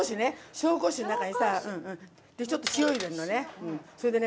紹興酒の中にさちょっと塩入れんのねそれでね